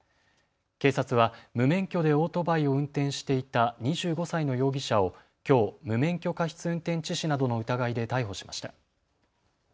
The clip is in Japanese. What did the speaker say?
警察は無免許でオートバイを運転していた２５歳の容疑者をきょう、無免許過失運転致死などの疑いで逮捕しました。